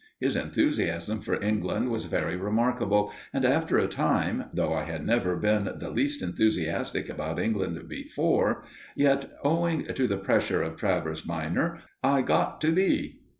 His enthusiasm for England was very remarkable, and after a time, though I had never been the least enthusiastic about England before, yet, owing to the pressure of Travers minor, I got to be.